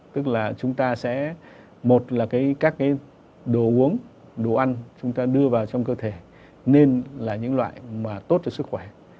tức là chúng ta sẽ một là các cái đồ uống đồ ăn chúng ta đưa vào trong cơ thể nên là những loại mà tốt cho sức khỏe